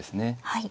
はい。